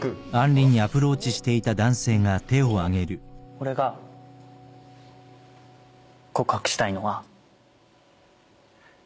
俺が告白したいのは。